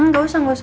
gak usah gak usah